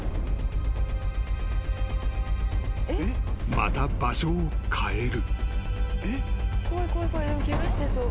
［また場所を変える］